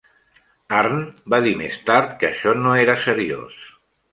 Arndt va dir més tard que això no era seriós.